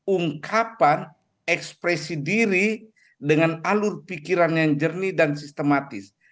ungkapan ekspresi diri dengan alur pikiran yang jernih dan sistematis